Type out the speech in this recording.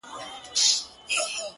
تـلاوت دي د ښايستو شعرو كومه،